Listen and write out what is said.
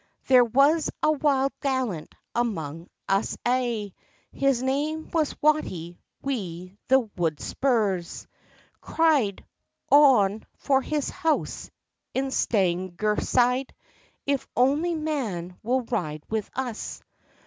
There was a wild gallant amang us a', His name was Watty wi' the Wudspurs, Cried—"On for his house in Stanegirthside, If ony man will ride with us!"